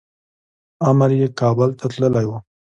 امر یې کابل ته تللی و.